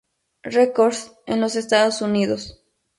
Records en los Estados Unidos.